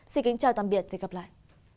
xin kính chào tạm biệt và hẹn gặp lại